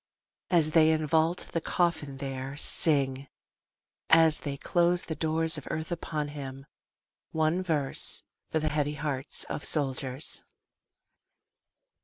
As they invault the coffin there, Sing as they close the doors of earth upon him one verse, For the heavy hearts of soldiers.